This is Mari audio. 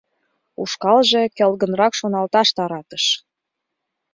Ушкалже келгынрак шоналташ таратыш.